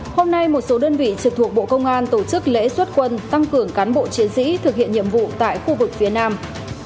hôm nay một số đơn vị trực thuộc bộ công an tổ chức lễ xuất quân tăng cường cán bộ chiến sĩ thực hiện nhiệm vụ tại khu vực phía nam